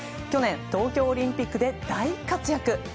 去年、東京オリンピックで大活躍